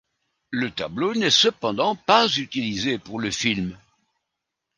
Le tableau n'est cependant pas utilisé pour le film.